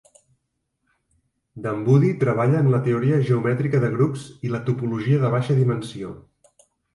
Dunwoody treballa en la teoria geomètrica de grups i la topologia de baixa dimensió.